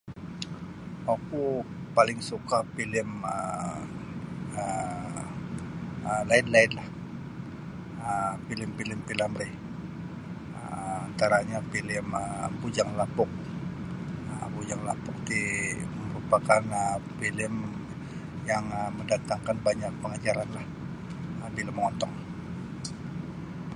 Oku paling suka' filem um laid-laidlah um filem-filem P.Ramli um antaranyo filem um Bujang Lapok. Bujang Lapok ti marupakan filem yang mandatangkan banyak pangajaranlah bila mongontong.